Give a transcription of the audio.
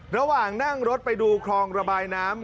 ระหว่างนั่งรถไปดูคลองระบายน้ำ